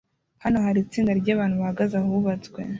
Hano hari itsinda ryabantu bahagaze ahubatswe